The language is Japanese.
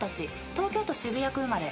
東京都渋谷区生まれ。